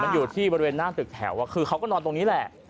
มันอยู่ที่บริเวณหน้าตึกแถวคือเขาก็นอนตรงนี้แหละ